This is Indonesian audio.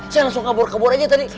saya langsung kabur kabur aja tadi